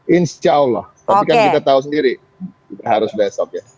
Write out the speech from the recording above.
insya allah tapi kan kita tahu sendiri harus besok ya